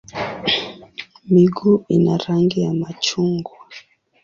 Miguu ina rangi ya machungwa.